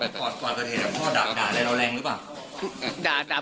แต่พ่อผมยังมีชีวิตอยู่นะครับพูดประโยคนี้ประมาณ๓รอบ